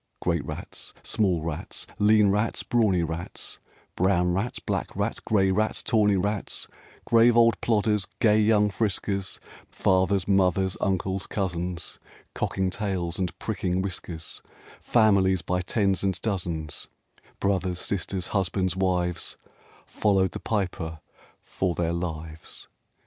Great rats, small rats, lean rats, brawny rats, Brown rats, black rats, gray rats, tawny rats, Grave old plodders, gay young friskers, Fathers, mothers, uncles, cousins, Cocking tails and pricking whiskers; Families by tens and dozens, Brothers, sisters, husbands, wives, Followed the Piper for their lives.